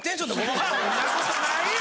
そんなことないよ！